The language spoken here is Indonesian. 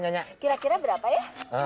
kira kira berapa ya